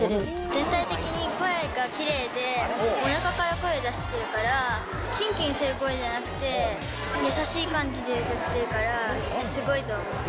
全体的に声がきれいで、おなかから声出してるから、キンキンする声じゃなくて、優しい感じで歌ってるからすごいと思います。